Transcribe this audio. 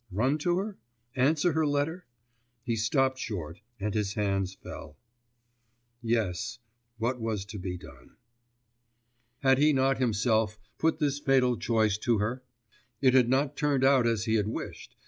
Run to her? Answer her letter? He stopped short, and his hands fell. 'Yes; what was to be done?' Had he not himself put this fatal choice to her? It had not turned out as he had wished ...